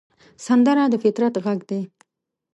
سندره د فطرت غږ دی